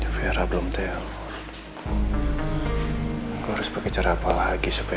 berita terkini mengenai cuaca ekstrem dua ribu dua puluh satu